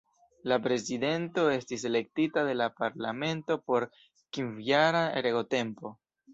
La Prezidento estis elektita de la Parlamento por kvinjara regotempo.